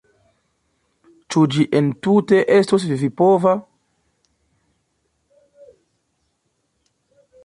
Ĉu ĝi entute estos vivipova?